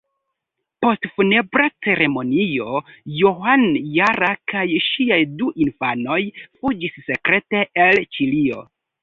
Post funebra ceremonio Joan Jara kaj ŝiaj du infanoj fuĝis sekrete el Ĉilio.